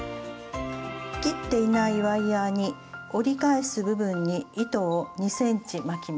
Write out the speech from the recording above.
切っていないワイヤーに折り返す部分に糸を２ｃｍ巻きます。